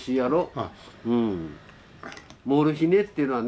モルヒネっていうのはね